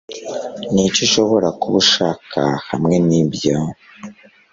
Niki ushobora kuba ushaka hamwe nibyo?